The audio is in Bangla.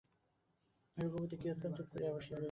রঘুপতি কিয়ৎক্ষণ চুপ করিয়া বসিয়া রহিলেন।